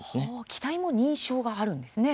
機体も認証があるんですね。